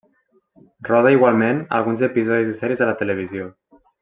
Roda igualment alguns episodis de sèries a la televisió.